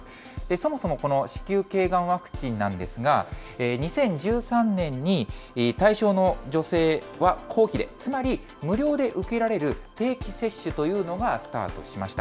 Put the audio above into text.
そもそもこの子宮けいがんワクチンなんですが、２０１３年に対象の女性は公費で、つまり無料で受けられる定期接種というのがスタートしました。